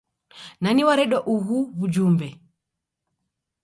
Nani wareda ugho w'ujumbe?